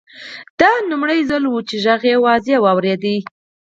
دا لومړی ځل و چې غږ یې واضح واورېد